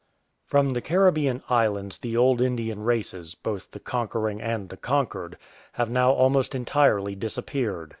From the Caribbean Islands the old Indian races, both the conquering and the conquered, have now almost entirely disappeared.